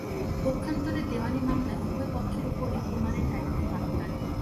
পক্ষান্তরে, দেওয়ানি মামলায় উভয় পক্ষের ওপরই প্রমাণের দায়িত্ব বর্তায়।